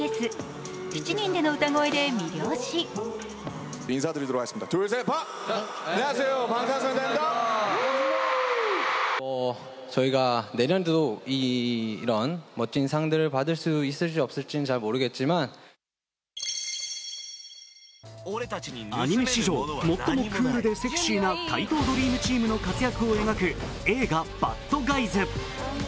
７人での歌声で魅了しアニメ史上、最もクールでセクシーな怪盗ドリームチームの活躍を描く映画「バッドガイズ」。